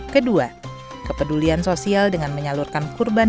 kedua kepedulian sosial dengan menyalurkan kurban